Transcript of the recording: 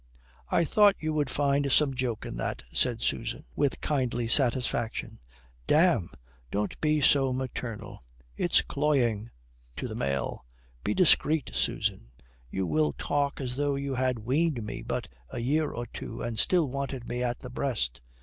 "I thought you would find some joke in that," said Susan, with kindly satisfaction. "Damme, don't be so maternal. It's cloying to the male. Be discreet, Susan. You will talk as though you had weaned me but a year or two, and still wanted me at the breast."